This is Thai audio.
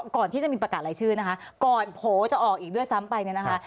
ก่อนที่จะมีประกาศรายชื่อนะคะก่อนโผล่จะออกอีกด้วยซ้ำไปเนี่ยนะคะ